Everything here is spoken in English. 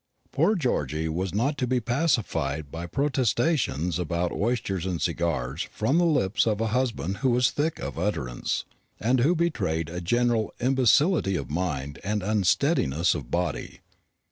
Poor Georgy was not to be pacified by protestations about oysters and cigars from the lips of a husband who was thick of utterance, and who betrayed a general imbecility of mind and unsteadiness of body.